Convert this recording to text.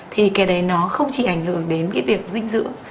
thì cái đấy nó không chỉ ảnh hưởng đến cái việc dinh dưỡng